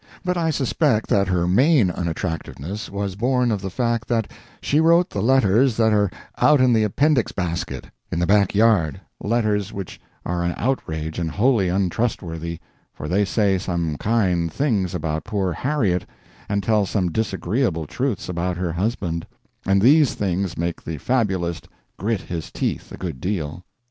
But I suspect that her main unattractiveness was born of the fact that she wrote the letters that are out in the appendix basket in the back yard letters which are an outrage and wholly untrustworthy, for they say some kind things about poor Harriet and tell some disagreeable truths about her husband; and these things make the fabulist grit his teeth a good deal.